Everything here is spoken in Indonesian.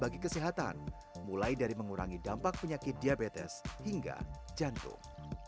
bagi kesehatan mulai dari mengurangi dampak penyakit diabetes hingga jantung